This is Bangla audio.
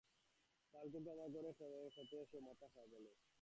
কাল কিন্তু আমার ঘরে খেতে এসো, মাথা খাও, বলে সে চলে গেল।